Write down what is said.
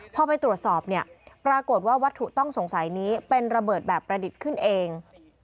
พอไปตรวจสอบเนี่ยปรากฏว่าวัตถุต้องสงสัยนี้เป็นระเบิดแบบประดิษฐ์ขึ้นเอง